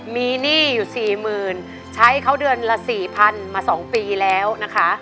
มีหนี้อยู่๔๐๐๐ใช้เขาเดือนละ๔๐๐๐มา๒ปีแล้วนะคะ